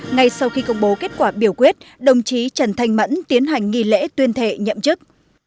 ngay sau khi công bố kết quả biểu quyết đồng chí trần thanh mẫn tiến hành nghi lễ tuyên thệ nhậm chức